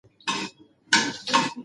د ژوند بریا د مثبت فکر او هڅو پایله ده.